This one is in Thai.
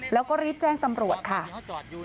แล้วก็รีบแจ้งตำรวจค่ะ